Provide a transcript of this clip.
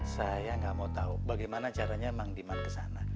saya nggak mau tahu bagaimana caranya mang demand ke sana